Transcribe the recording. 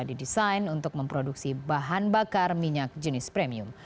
didesain untuk memproduksi bahan bakar minyak jenis premium